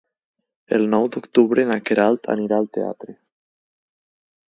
El nou d'octubre na Queralt anirà al teatre.